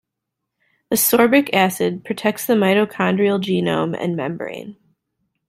Ascorbic acid protects the mitochondrial genome and membrane.